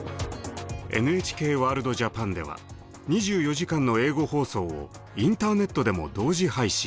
「ＮＨＫワールドＪＡＰＡＮ」では２４時間の英語放送をインターネットでも同時配信。